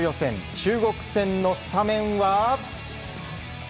中国戦のスタメンは。